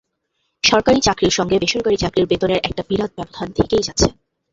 সরকারি চাকরির সঙ্গে বেসরকারি চাকরির বেতনের একটা বিরাট ব্যবধান থেকেই যাচ্ছে।